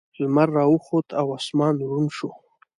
لمر راوخوت او اسمان روڼ شو.